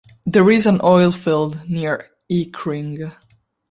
There is an oilfield near Eakring.